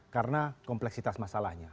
karena kompleksitas masalahnya